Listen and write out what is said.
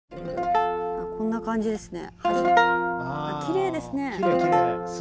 こんな感じですね。